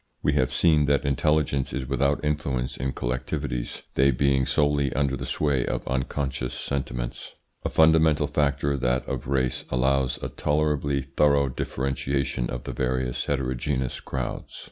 We have seen that intelligence is without influence in collectivities, they being solely under the sway of unconscious sentiments. A fundamental factor, that of race, allows of a tolerably thorough differentiation of the various heterogeneous crowds.